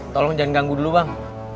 tolong jangan ganggu dulu bang